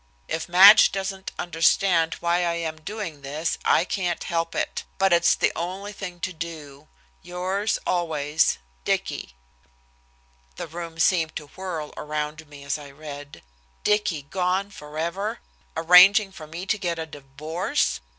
If Madge doesn't understand why I am doing this I can't help it. But it's the only thing to do. Yours always. DICKY." The room seemed to whirl around me as I read. Dicky gone forever, arranging for me to get a divorce!